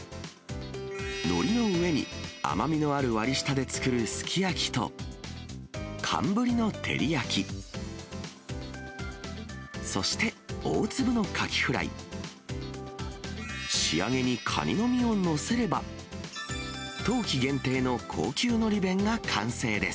のりの上に、甘みのある割り下で作るすき焼きと、寒ぶりの照り焼き、そして、大粒のかきフライ、仕上げに、かにの身を載せれば、冬季限定の高級のり弁が完成です。